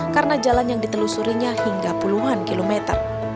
karena jalan yang ditelusurinya hingga puluhan kilometer